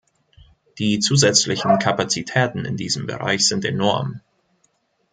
Die zusätzlichen Kapazitäten in diesem Bereich sind enorm.